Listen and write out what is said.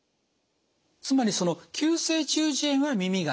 つまり急性中耳炎は耳が痛い